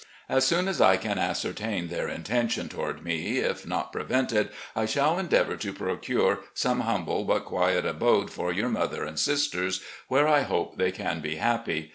As soon as I can ascertain their intention toward me, if not prevented, I shall endeavour to procure some humble, but quiet, abode for your mother and sistars, where I hope they can be happy.